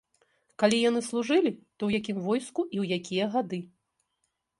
Калі яны служылі, то ў якім войску і ў якія гады.